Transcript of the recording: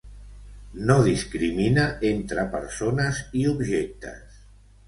No discrimina entre persones i objectes.